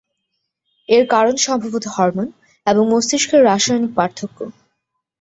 এর কারণ সম্ভবত হরমোন এবং মস্তিষ্কের রাসায়নিক পার্থক্য।